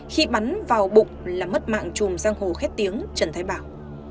khi bắn vào bụng là mất mạng chùm giang hồ khét tiếng trần thái bảo